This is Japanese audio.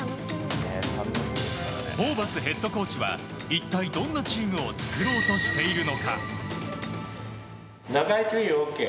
ホーバスヘッドコーチは一体どんなチームを作ろうとしているのか。